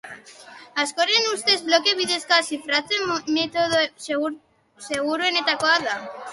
Askoren ustez bloke bidezko zifratze metodo seguruenetakoa da.